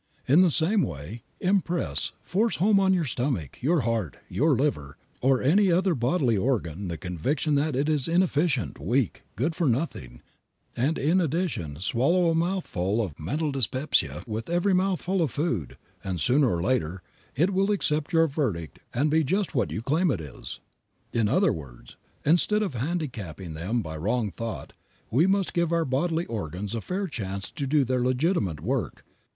In the same way, impress, force home on your stomach, your heart, your liver, or any other bodily organ the conviction that it is inefficient, weak, good for nothing, and in addition swallow a mouthful of mental dyspepsia with every mouthful of food, and, sooner or later, it will accept your verdict and be just what you claim it is. In other words, instead of handicapping them by wrong thought, we must give our bodily organs a fair chance to do their legitimate work.